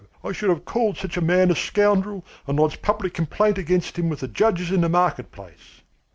I should have called such a man a scoundrel, and lodged public complaint against him with the judges in the market place."